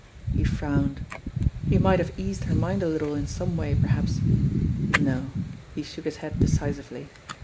He frowned. He might have eased her mind a little in some way, perhaps. No ! He shook his head decisively.